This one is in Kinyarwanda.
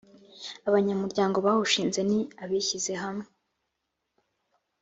abanyamuryango bawushinze ni abishyizehamwe .